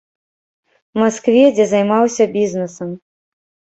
Маскве, дзе займаўся бізнэсам.